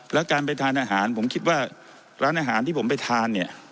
แล้วการไปทานอาหารผมคิดว่าร้านอาหารที่ผมไปทานเนี่ย